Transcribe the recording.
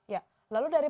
ya lalu dari